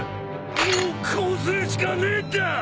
もうこうするしかねえんだ！